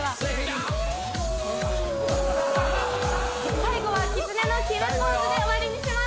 最後はきつねの決めポーズで終わりにします。